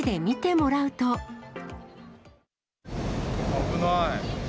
危ない。